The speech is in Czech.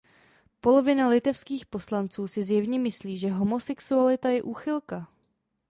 Polovina litevských poslanců si zjevně myslí, že homosexualita je úchylka.